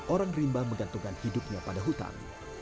orang rimba menggantungkan hidupnya pada hutan